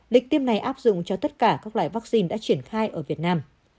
lịch tiêm này áp dụng cho tất cả các loại vaccine đã triển khai ở việt nam